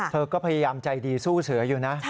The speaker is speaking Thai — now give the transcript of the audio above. เธอก็พยายามใจดีสู้เสืออยู่นะ